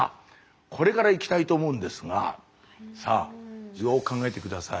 これからいきたいと思うんですがさあよく考えて下さい。